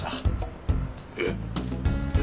えっ？